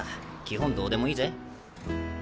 基本どうでもいいぜ。